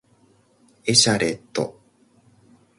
エシャレット